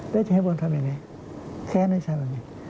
แล้วจะให้ผมทำอย่างไรแค่นั้นจะทำอย่างไร